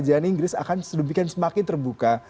kerajaan inggris akan sedemikian semakin terbuka